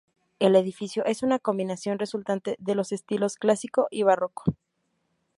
El edificio es una combinación resultante de los estilos clásico y barroco.